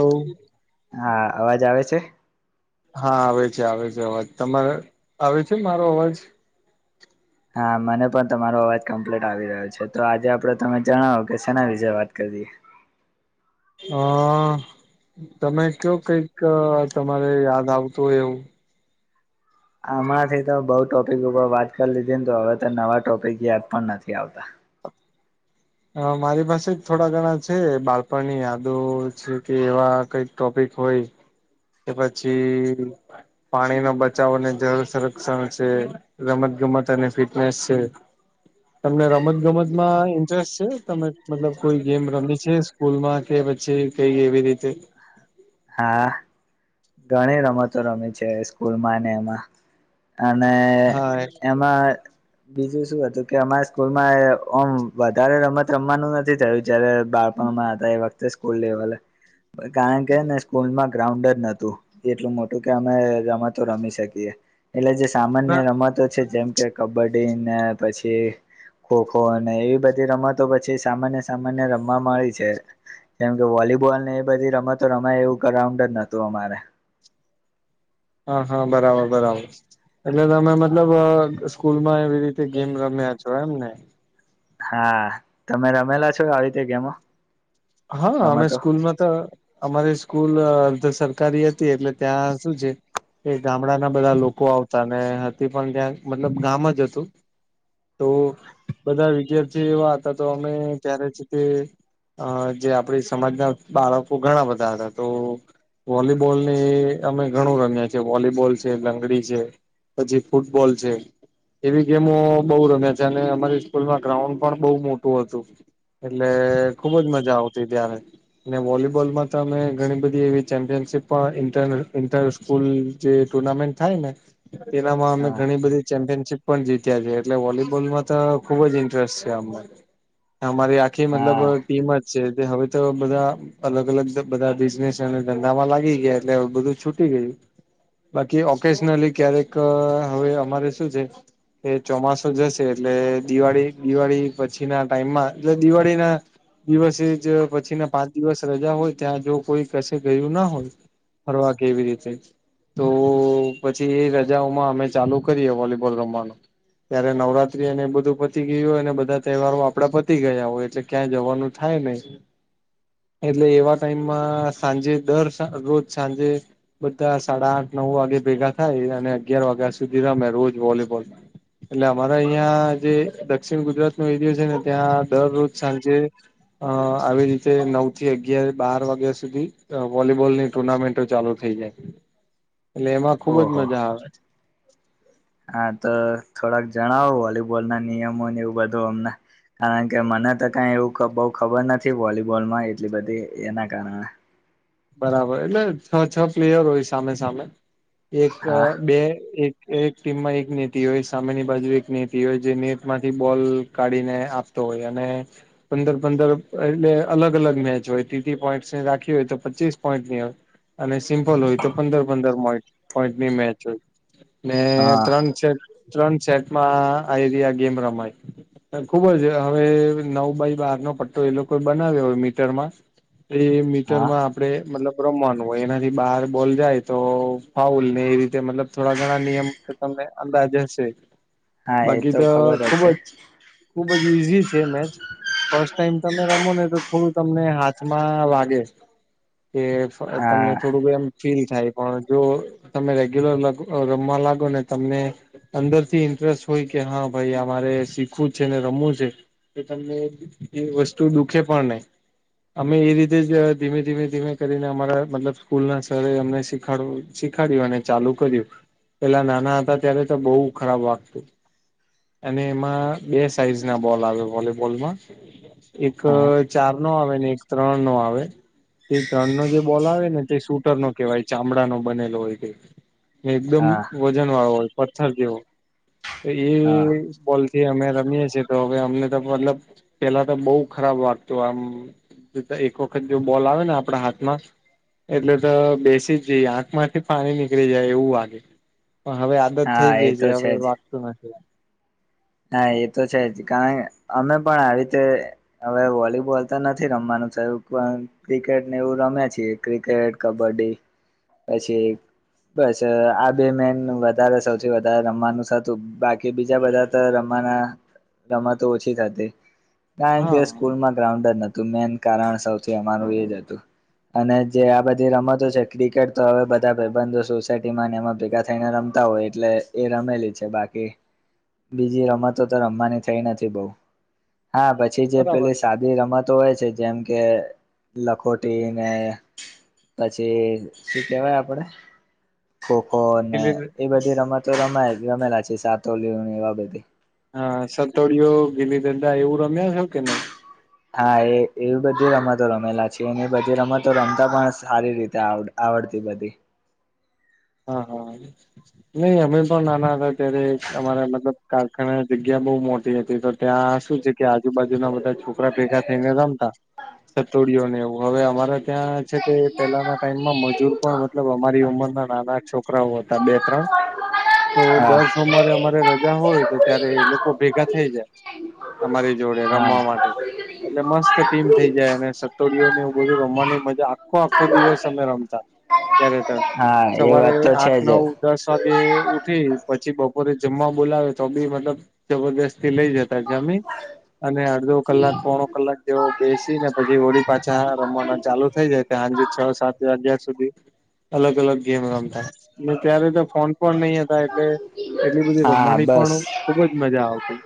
Hello હા અવાજ આવે છે? હા આવે છે આવે છે અવાજ તમારે આવે છે મારો અવાજ. હા મને પણ તમારો અવાજ કમ્પ્લીટ આવી રહ્યો છે તો આજે આપડે તમે જણાવો કે સેના વિશે વાત કરીએ. હ તમે કયો કંઈક તમારે યાદ આવતું હોય એવું. આમાંથી તો બઉ ટોપિક ઉપર વાત કરી લીધી ને તો હવે તો નવા ટોપિક યાદ પણ નથી આવતા. અ મારી પાસે થોડા ઘણા છે બાળપણની યાદો છે કે એવા કઈક ટોપિક હોય. કે પછી પાણી નો બચાવ જરૂર સંરક્ષણ વિશે રમત ગમત અને ફિટનેસ છે. તમને રમત ગમત માં ઇન્ટરેસ્ટ છે તમે મતલબ કોઈ ગેમ રમ છે. સ્કૂલ માં કે પછી કઈ એવી રીતે હા ઘણી રમતો રમે છે સ્કૂલ માં ને એમાં અને હા એમાં બીજું શું હતું કે અમારા સ્કૂલમાં ઓમ વધારે રમત રમવાનું નથી થયું જારે. બાળપણમાં હતા એ વખતે સ્કૂલ લેવલ એ કારણ કે ને સ્કૂલમાં ગ્રાઉન્ડ નટુ એટલું મોટું કે અમે રમાતો રમી શકીએ. એટલે જે સામાન્ય ના રમતો છે જેમ કે કબડ્ડી ને પછી ખો ખો અને એવી બધી રમતો પછી સામાન્ય સામાન્ય રમવા મળી છે. કેમ કે વોલીબોલ ને એ રમાય એવું ગાઉન્ડ જ નતું અમારે. હા હા બરાબર બરાબર એટલે તમે મતલબ સ્કૂલમાં એવી રીતે ગેમ રમ્યા જો એમ ને હા તમે રમેલા છો આવી જગ્યા મા. હા અમે સ્કૂલમાં તો અમારી સ્કૂલ તો સરકારી હતી એટલે ત્યાં સુું છે. એ ગામડાના બધા લોકો આવતા ને હતી પણ ત્યાં મતલબ ગામ જ હતું. તો બધા વિદ્યાર્થી એવા હતા તો અમે ત્યારે છે તે જે આપડી સમાજના ઘણા બધા હતા તો વોલીબોલ ની અમે ઘણું રમ્યા છેીએ વોલીબોલ છે લંગડી છે. પછી ફૂટબોલ છે. એવી ગેમો બઉુ રમે છે અને અમારી સ્કૂલમાં ગ્રાઉન્ડ પણ બઉુ મોટું હતું. એટલે ખુબજ મજા આવતી ત્યારે અને વોલીબોલમાં તો અમે ઘણી બધી એવી ચેમ્પિયનશીપ પણ ફૂલ જે ટુર્નામેન્ટ થાય ને એનામાં અમે હા ઘણી બધી ચેમ્પિયનશીપ પણ જીત્યા છે એટલે વોલીબોલ માં તો ખુબ જ ઇન્ટરેસ્ટ છે અ અમારી આખી મતલબ હા ટીમ જ છે તે હવે તો બધા અલગ અલગ બધા બિઝનેસ અને ધંધામાં લાગી ગયા એટલે હવે બધું છૂટી ગયું. બાકી ઓફીસનલી ક્યારેક હવે અમારે શું છે. એ ચોમાસું જશે એટલે દિવાળી દિવાળી પછી ના ટાઈમમાં એટલે દિવાળીના દિવસે જ પછીને પાંચ દિવસ રજા હોય ત્યાં જો કોઈ કસે ગયું ના હોય. ફરવા કે એવીરીતે તો પછી એ રજાઓમાં અમે ચાલુ કરીએ વોલીબોલ રમવાનું ત્યારે નવરાત્રી અને એ બધું પતી ગયું હોય અને બધા તહેવારો આપડા પતી ગયા હોય એટલે ક્યાં જવાનું થાય નહી. એટલે એવા ટાઈમમાં સાંજે દર રોજ સાંજે. બધા સાડા આઠ નવ વાગે ભેગા થાય અને અગિયાર વાગ્યા સુધી રમે રોજ વોલીબોલમાં એટલે અમારા અહિયાં જે દક્ષિણ ગુજરાત નો એરિયો છે ને ત્યાં દરરોજ સાંજે હ [unintelligible] અ આવી રીતે નવથી અગિયાર બાર વાગ્યા સુધી વોલીબોલની ટુર્નામેન્ટો ચાલુ થઈ જાય. હ એટલે એમાં ખુબ જ મજા આવે. હા તો થોડાક જણાવો વોલીબોલના નિયમો ને એવું બધું અમને. કારણ કે મને તો કઈ એવું બહુ ખબર નથી વોલિબોલમાં એટલી બધી એના કારણે. બરાબર. એટલે છ છ પ્લેયર હોય સામે સામે એક હા બે એક એક ટીમમાં એક નીતી હોય, સામેની બાજુ એક નીતી હોય જે નેટમાંથી બોલ કાઢીને આપ તો હોય અને પંદર પંદર એટલે અલગ અલગ મેચ હોય તીતી પોઈન્ટને રાખી હોય તો પચીસ પોઈન્ટની હોય. અને સિમ્પલ હોય તો પંદર પંદર પોઈ પોઈન્ટની મેચ હોય. ને હા ત્રણ સ ત્રણ સેટમાં આવી આ ગેમ રમાય. ખુબ જ હવે નવ બાય બારનો પટ્ટો એ લોકોએ બનાવ્યો હોય મીટરમાં. એ હા મીટરમાં આપ આપણે મતલબ રમવાનું હોય. એનાથી બહાર બોલ જાય તો ફાઉલ ને એ રીતે મતલબ થોડા ઘણા નિયમ તમને અંદાજ હશે. હા એ તો ખબર જ છે. ખુબ જ ઈઝી છે મેચ. ફર્સ્ટ ટાઈમ તમે રમો ને તો થોડું તમને હાથમાં વાગે. કે તમને હા થોડુંક એમ ફીલ થાય. પણ જો તમે રેગ્યુલર રમમાં લાગો ને તમને અંદરથી ઇન્ટરેસ્ટ હોય કે હા ભાઈ આ મારે શીખવું છે, ને રમવું છે. કે તમને એ વસ્તુ દુખે પણ નહી. અમે એ રીતે જ ધીમે ધીમે ધીમે કરીને અમારા મતલબ સ્કૂલના સરે અમને શીખડ શીખાડ્યું અને ચાલુ કર્યું. પેલા નાના હતા ત્યારે તો બહુ ખરાબ વાગતું. અને એમાં બે સાઈઝના બોલ આવે વોલીબોલમાં. એક ચાર નો આવે ને એક ત્રણ નો આવે. તે ત્રણ નો જે બોલ આવે ને તે શૂટર નો કેહેવાય ચામડાનો બનેલો હોય તે. ને એકદમ હા વજન વાળો હોય પથ્થર જેવો તો એ હા બોલથી અમે રમીએ છીએ તો હવે અમને તો મતલબ પેલા તો બહુ ખરાબ વાગતું આમ. એક વખત જે બોલ આવે ને આપડા હાથમાં એટલે તો બેસી જઈએ આંખમાંથી પાણી નીકળી જાય એવું વાગે. પણ હવે આદત થઈ હા એ ગઈ છે તો હવે જ વાગતું નથી. હા એ તો છે જ. કારણ અમે પણ આવી રીતે હવે વોલીબોલ તો નથી રમવાનું થયું પણ ક્રિકેટ ને એવું રમે્યા છીએ. ક્રિકેટ, કબડ્ડી પછી બસ આ બે મેન વધારે સૌથી વધારે રમવાનું હતું. બાકી બીજા બધા ત રમવાના રમતો ઓછી થતી કારણ હા કે સ્કૂલમાં ગ્રાઉન્ડ જ નતું મેન કારણ સૌથી અમારું એજ હતું. અને જે આ બધી રમતો છે. ક્રિકેટ તો હવે બધા ભાઈબંધો સોસાયટીમાં એમાં ભેગા થઈને રમતા હોય એટલે એ રમેલી છે બાકી બીજી રમતો તો રમવાની થઈ નથી બઉ. હા પછી જે બરાબર પેલી સા દી રમતો હોય છે જેમ કે લખોટી ને પછી શું કેવાય આપડે ખોખો ને ગીલી એ બધી રમતો રમેલા છે. સાતોલીયુ ને એવા બધી હા સતોડીયુ, ગીલીદંદા એવું રમ્યા છો કે નહી? હા એ એવી બધી રમતો રમેલા છે, અને એ બધી રમતો રમતા પણ સારી રીતે આવડે. આવડતી બધી હાહા નહી અમે પણ નાના હતા ત્યારે અમારા મતલબ કારખાને જગ્યા બહુ મોટી હતી તો ત્યાં શું છે કે આજુબાજુના બધા છોકરા ભેગા થઈને રમતા. સતોડીઓને એવું હવે અમારે ત્યાં છે કે પેલાના ટાઈમમાં મજૂર પણ મતલબ અમારી ઉંમરના [unintelligible] છોકરાઓ હતા બે-ત્રણ તો હા દર સોમવારે અમારે રજા હોય તો ત્યારે એ લોકો ભેગા થઈ જાય. અમારી જોડે હા રમવા માટે એટલે મસ્ત ટીમ થઈ જાય અને સતોડીયુને એવું બધું રમવાની મજા આખો આખો દિવસ અમે રમતા ત્યાં રેતા હા એ સવારે વાત તો છે આઠ જ નવ દસ વાગે ઉઠીન પછી બપોરે જમવા બોલાવે તોબી મતલબ જબરજસ્તી લઇ જતા જમીન અને અડધો કલાક પોણો કલાક જેઓ બેસી ને પછી વળી પાછાં રમવાના ચાલુ થઈ જાય ત્યાં હાંજ છ સાત વાગ્યા સુધી અલગ અલગ ગેમ રમતા ને ત્યારે તો ફોન પણ નઈ હતા એટલે એટલી બધી હા રમવાની બસ પણ ખુબ જ મજા આવતી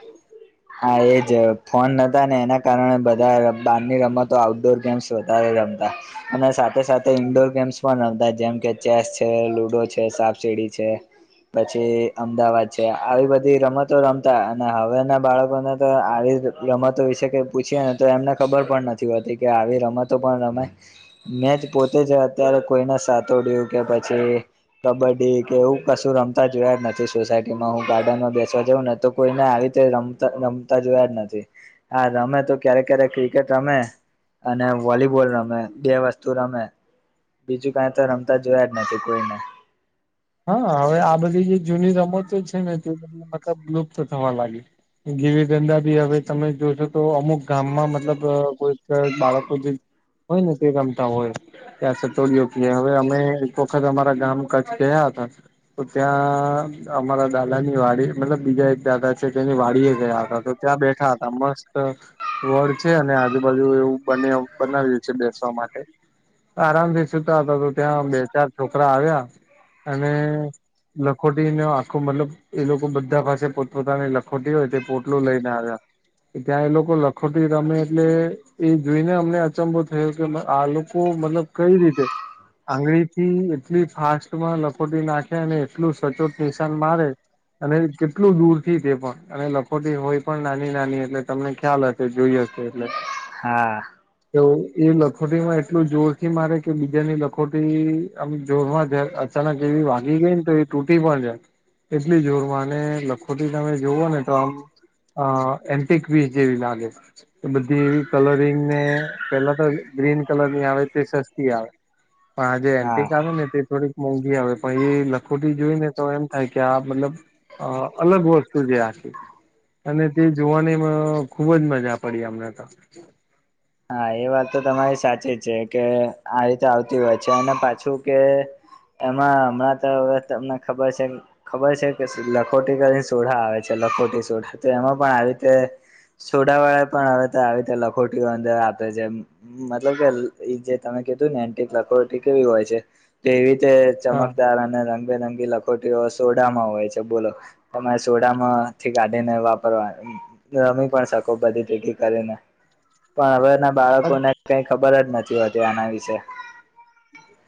હા એજ ફોન નતાને એના કારણે બધા બારની રમતો આઉટડોર ગેમ્સ વધારે રમતા અને સાથે સાથે ઇન્ડોર ગેમ્સ પણ રમતા જેમ કે ચેસ છે, લુડો છે, સાપ સીડી છે. પછી અમદાવાદ છે. આવી બધી રમતો રમતા અને હવેના બાળકો અમનેતો આવી રમતો વિશે પૂછીએ ને તો એમને ખબર પણ નથી હોતી કે આવી રમતો પણ રમાય મેજ પોતે જ અત્યારે કોઈને સાથોડ્યું કે પછી કબડ્ડી કે એવું કશું રમતા જ જોયા જ નથી સોસાયટીમાં હું ગાર્ડનમાં બેસવા જઉં ને તો કોઈને આવી રીતે રમતા રમતા જોયા જ નથી. હા રમે તો ક્યારેક ક્યારેક ક્રિકેટ રમે અને વોલીબોલ રમે બે વસ્તુ રમે બીજું કાંઇતો રમતા જોયા જ નથી કોઈને હા હવે આ બધી જે જૂની રમતો છે ને તે [unintelligible] બધી મતલબ લુપ્ત થવા લાગી ગીવી દંડા બી હવે તમે જોશોતો અમુક ગામમાં મતલબ કોઈક બાળકો જે કોઈ નથી ગમતા હોય ત્યાં સાતોલીયુ કીએ હવે અમે એક વખત અમારા ગામ કચ્છ ગયા હતા. તો ત્યાં અમારા દાદા ની વાડી મતલબ બીજા એક દાદા છે તેની વાડી એ ગયા હતા ત્યાં બેઠા હતા મસ્ત વડ છે અને આજુબાજુ એવું બના બનાવ્યું છે બેસવા માટે આરામથી સુતા હતા તો ત્યાં બે ચાર છોકરા આવ્યા અને લખોટીનો આખો મતલબ એ લોકો બધા પાસે પોતપોતાની લખોટી હોય તે પોટલો લઈને આવ્યા. ત્યાં એ લોકો લખોટી રમે એટલે એજોઈને અમને અચંભો થયો કે આ લોકો મતલબ કઈ રીતે, આંગળીથી એટલી ફાસ્ટમાં લ લખોટી નાખે અને એટલું સચોટ નિશાન મારે અને કેટલું દૂર થી તે પણ અને લખોટી હોય પણ નાની નાની એટલે તમને ખ્યાલ હશે જોઈ હશે. એટલે હા. એવુ એ લખોટીમાં એટલું જોરથી મારે કે બીજાની લખોટી આમ જોરમાં [inaudible] જ [unintelligible] જેવી વાગી ગઈને તો એ તૂટી પણ જાય એટલી જોરમાં અને લખોટી તમે જોવોને તો આમ અ એન્ટિકપીસ જેવી લાગે બધી એવી કલરિંગને પેલા તો ગ્રીન કલરની આવે તે સસ્તી આવે. પણ આજે હા એન્ટીક આવે ને તે થોડી મોંઘી આવે પણ એ લખોટી જોઈ ને તો એમ થાય કે આ મતલબ અ અલગ વસ્તુ છે આખી. અને તે જોવાની ખુબ જ મજા પડી અમને તો. હા એ વાત તો તમારી સાચી છે કે આ રીતે આવતી હોય છે અને પાછું કે એમાં હમણાં તો હવે તમને ખબર છેન ખબર છે કે લખોટી કરીને સોડા આવે છે લખોટી સોડા તો એમાં પણ આવી રીતે સોડાવાળા પણ હવે તો આવી રીતે લખોટી વાળી આપે છે મતલબ કે જે તમે કીધું ને એન્ટીક લખોટી કેવી હોય છે. તેવી રીતે હા ચમકદાર અને રંગબેરંગી લખોટીઓ સોડામાં હોય છે બોલો. તમારે સોડામાંથી કાઢીને વાપરવા રમી પણ શકો બધી ભેગી કરીને. પણ હવેના બાળકોને કંઈ ખબર જ નથી હોતી આના વિશે.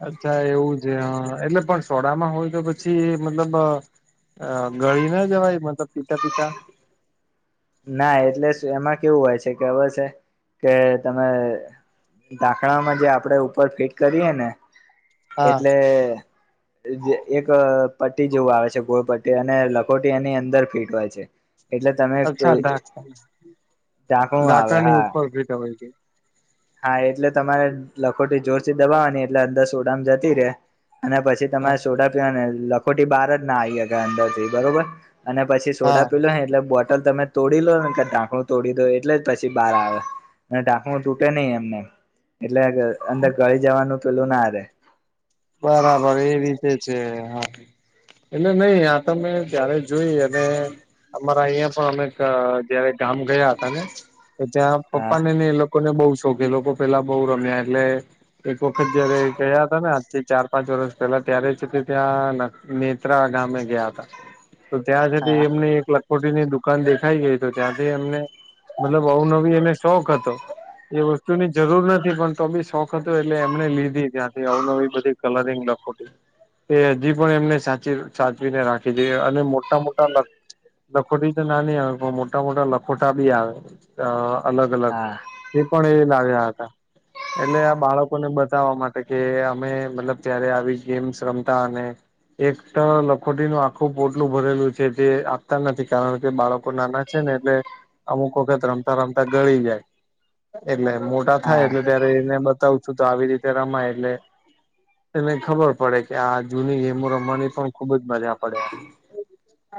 અચ્છા એવું છે હ એટલે પણ સોડામાં હોય તો પછી મતલબ ગળી ના જવાય મતલબ પીતા પીતા? ના એટલે એમાં કેવું હોય છે ખબર છે કે તમે ઢાંકણામાં જે આપડે ઉપર ફીટ કરીએ ને હા એટલે એક પટ્ટી જેવું આવે છે ગોળ પટ્ટી અને લખોટી એની અંદર ફીટ હોય છે. એટલે તમે અચ્છા, ધાક ઢાંકણું આવે ઢાકાણા ની હા ઉપર ફીટ આવે છે. હા એટલે તમારે લખોટી જોર થી દબાવોને એટલે અંદર સોડામાં જતી રે અને પછી હા તમારે સોડા પીવાની લખોટી બાર જ ના આવી અંદર થી બરોબર. અને પછી સોડા હા પીલો ને એટલે બોટ તલ તમે તોડી લો ને કે ઢાંકણું તોડી દો એટલે જ પછી બહાર આવે અને ઢાકણું ટુટ ટે નઈ એમનેમ એટલે અંદર ગળી જવાનું પેલું ના રે. બરાબર એ રીતે છે હા. એટલે નહી આ તમે ત્યારે જોઈ અને અમારા અહિંયા પણ અમે ક જયારે ગામ ગયા હતા ને તો ત્યાં હા પપ્પા ને ને એ લોકો લોકોને બહુ શોખ એ લોકો પેલા બહુ રમ્યા એટલે એક વખત જયારે ગયા હતા ને આજથી ચાર પાંચ વર્ષ પહેલા ત્યારે જ ત્યાં નેત્રા ગામે ગયા હતા. તો ત્યાં જતી હા એમની એક લખોટીની દુકાન દેખાઈ ગઈ તો ત્યાંથી એમને મતલબ અવનવી એને શોખ હતો. એ વસ્તુ ની જરૂર નથી પણ તો બી શોખ હતો એટલે એમણે લીધી ત્યાંથી અવનવી બધી. કલરિંગ લખોટી. એ હજી પણ એમને સાચવીને સાચવીને રાખી જોઈએ અને મોટા મોટા લખોટી તો નાની આવે પણ મોટા મોટા લખોટા બી આવે અલગ અલગ. હા એ પણ એ લાવ્યા હતા એટલે આ બાળકોને બતાવવા માટે કે અમે મતલબ ત્યારે આવી ગેમ્સ રમતા અને એક તો લખોટી નું આખું પોટલું ભરેલું છે જે આપતા નથી કારણ કે બાળકો નાના છેને એટલે અમુક વખત રમતા રમતા ગળી જાય એટલે મો ટા થાય હા એટલે ત્યારે એને બતાવું છું તો આવી રીતે રમાય એટલે એને ખબર પડે કે આ જૂની ગેમો રમવાની પણ ખુબ જ મજા પડેએમ.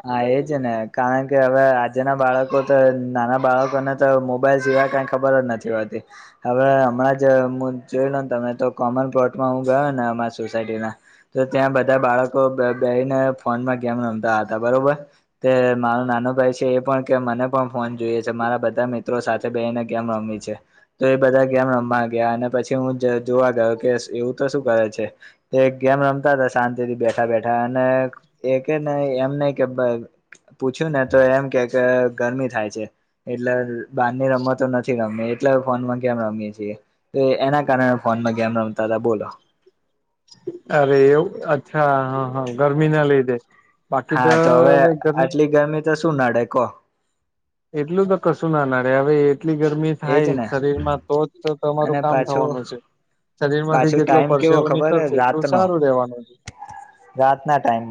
હા એજ ને કારણ કે હવે આજે ના બાળકો તો નાના બાળકોને તો મોબાઈલ સિવાય કાંઈ ખબર જ નથી હોતી. હવે હમણાં જ હું જોયુ ને તમે તો કોમન પ્લોટમાં હું ગયો ને અમારી સોસાયટી ના તો ત્યાં બધા બાળકો બધાના ફોનમાં ગેમ રમતા હતા બરોબર. તો મારો નાનું ભાઈ છે એ પણ કે મને પણ ફોન જોઈએ છે મારા બધા મિત્રો સાથે તે બેસીને ગેમ રમવી છે. તો એ બધા ગેમ રમવા ગયા અને પછી હું જોવા ગયો કે એવું તો શું કરે છે? એક ગેમ રમતા હતા શાંતિથી બેઠા બેઠા અને એ કે ને એમ એ નહી કે પૂછ્યું ને તો એમ કે કે ગરમી થાય છે. એટલે બારની રમતો નથી રમ એટલે ફોન માં કેમ રમીએ છીએ. એના કારણે ફોનમાં કેમ રમતા હતાા બોલો અરે એવું અચ્છા હા હા ગરમી ના લઈ દે હા તો હવે આટલી શું નડે કોહ એટલું તો કશું ના નાડે હવે કેટલી ગરમી એજ થાય ને શરીરમાં તો જ અને તમારું કામ પાછું થવાનું છે. શરીર માંથી પાછું જેટલો ટાઈમ પરશે એવો નીકળશે એટલું સારું રહેેવાનું છે. રાત ના ટાઈમ.